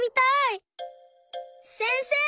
せんせい！